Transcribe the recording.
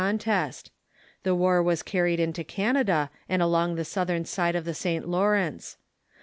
■' contest. The war was carried into Canada and along the southern side of the St. Lawrence.